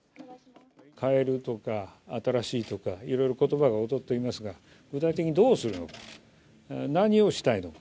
変えるとか、新しいとか、いろいろことばが躍っていますが、具体的にどうするのか、何をしたいのか。